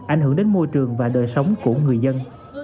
ảnh hưởng đến môi trường và đời sống của người dân